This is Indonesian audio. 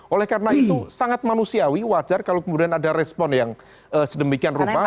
oleh karena itu sangat manusiawi wajar kalau kemudian ada respon yang sedemikian rupa